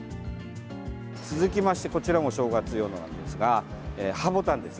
続きまして、こちらも正月用のなんですが葉ボタンです。